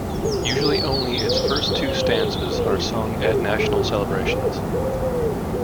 Usually only its first two stanzas are sung at national celebrations.